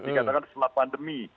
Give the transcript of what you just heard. dikatakan setelah pandemi